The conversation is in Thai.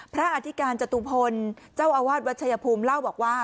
อธิการจตุพลเจ้าอาวาสวัชยภูมิเล่าบอกว่า